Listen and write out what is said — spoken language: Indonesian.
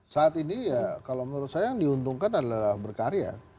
saat ini menurut saya yang diuntungkan adalah berkarya